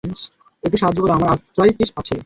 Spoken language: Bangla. একটু সাহায্য করো, আমার আর্থ্রাইটিস আছে।